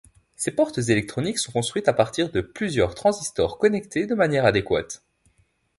Ces portes électroniques sont construites à partir de plusieurs transistors connectés de manière adéquate.